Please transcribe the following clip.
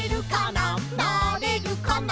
「なれるかな？